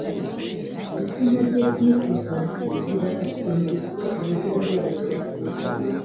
Izina rye ry’ikuzo riragasingizwa ubuziraherezo